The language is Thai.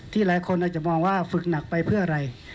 หลายคนอาจจะมองว่าฝึกหนักไปเพื่ออะไร